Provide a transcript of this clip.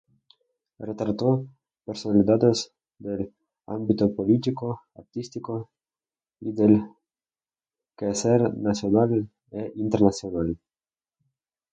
Retrató personalidades del ámbito político, artístico y del quehacer nacional e internacional.